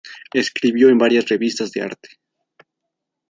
Escribió en varias revistas de arte.